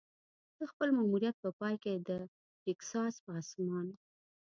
د خپل ماموریت په پای کې د ټیکساس په اسمان.